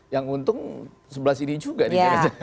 yang untung sebelah sini juga nih